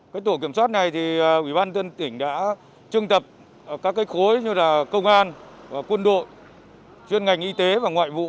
cái tổ kiểm soát này thì ủy ban dân tỉnh đã trưng tập các khối như là công an quân đội chuyên ngành y tế và ngoại vụ